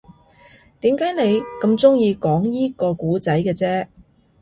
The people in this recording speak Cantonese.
點解你咁鍾意講依個故仔嘅啫